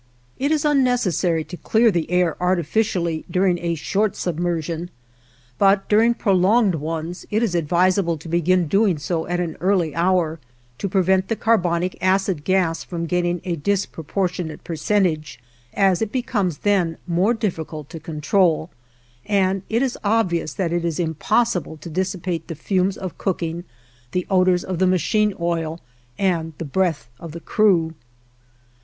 It is unnecessary to clear the air artificially during a short submersion, but during prolonged ones it is advisable to begin doing so at an early hour to prevent the carbonic acid gas from gaining a disproportionate percentage, as it becomes then more difficult to control, and it is obvious that it is impossible to dissipate the fumes of cooking, the odors of the machine oil, and the breath of the crew.